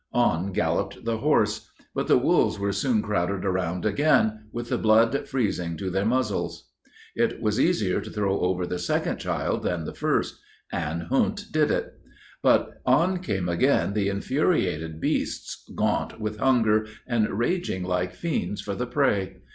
On galloped the horse. But the wolves were soon crowded around again, with the blood freezing to their muzzles. It was easier to throw over the second child than the first and Hund did it. But on came again the infuriated beasts gaunt with hunger, and raging like fiends for the prey.